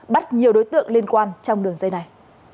bắt nhiều đối tượng liên quan trong đường dây này